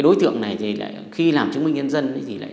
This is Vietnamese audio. đối tượng này khi làm chứng minh nhân dân